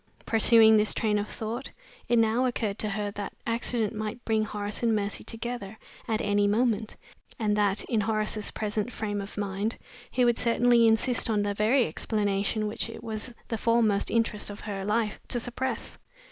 Pursuing this train of thought, it now occurred to her that accident might bring Horace and Mercy together at any moment, and that, in Horace's present frame of mind, he would certainly insist on the very explanation which it was the foremost interest of her life to suppress.